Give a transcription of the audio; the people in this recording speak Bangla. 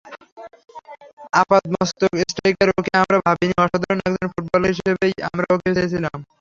আপাদমস্তক স্ট্রাইকার ওকে আমরা ভাবিনি, অসাধারণ একজন ফুটবলার হিসেবেই আমরা ওকে চেয়েছিলাম।